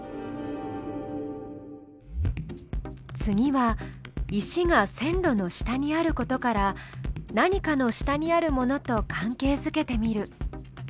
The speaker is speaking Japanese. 次は石が線路の下にあることから何かの下にあるものと関係づけてみる。